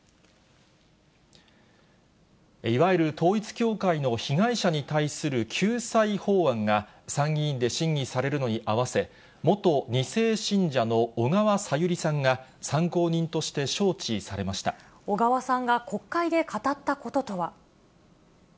いわゆる統一教会の被害者に対する救済法案が、参議院で審議されるのに合わせ、元２世信者の小川さゆりさんが、小川さんが国会で語ったこととは。